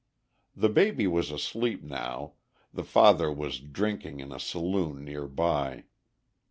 The baby was asleep now, the father was drinking in a saloon near by.